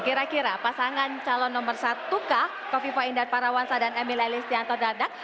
kira kira pasangan calon nomor satuka kofi poindar parawansa dan emil ely stiantor dardang